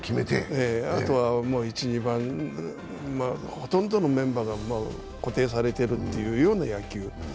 あとは、もう１・２番、ほとんどのメンバーが固定されているというような野球。